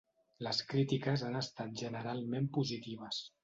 Les crítiques han estat generalment positives.